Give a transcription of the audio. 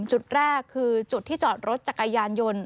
จุดแรกคือจุดที่จอดรถจักรยานยนต์